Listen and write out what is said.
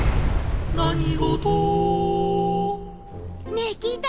ねえ聞いた？